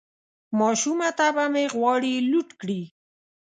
ماشومه طبعه مې غواړي لوټ کړي